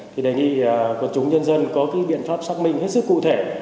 thì đề nghị quần chúng nhân dân có cái biện pháp xác minh hết sức cụ thể